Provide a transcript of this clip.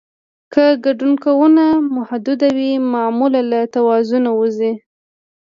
که ګوندونه محدود وي معامله له توازن وځي